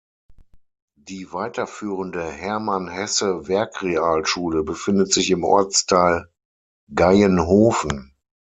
Die weiterführende Hermann-Hesse-Werkrealschule befindet sich im Ortsteil Gaienhofen.